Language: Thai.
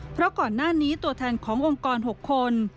เพราะก่อนหน้านี้ตัวแทนขององค์กร๖คน